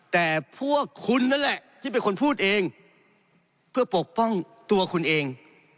แต่พวกคุณนั่นแหละที่เป็นคนพูดเองเพื่อปกป้องตัวคุณเอง